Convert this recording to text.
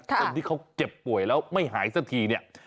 คนที่เขาเจ็บป่วยแล้วไม่หายสักทีเนี่ย